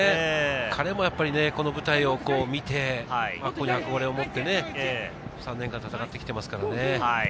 彼もやっぱりこの舞台を見て、憧れをもって３年間、戦ってきていますからね。